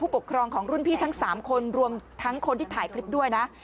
ปกครองของรุ่นพี่ทั้ง๓คนรวมทั้งคนที่ถ่ายคลิปด้วยนะ